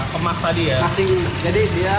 kemas tadi ya